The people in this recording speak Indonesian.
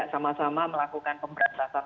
sama sama melakukan pemberantasan